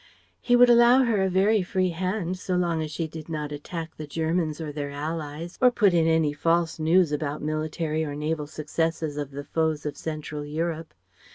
He would allow her a very free hand, so long as she did not attack the Germans or their allies or put in any false news about military or naval successes of the foes of Central Europe.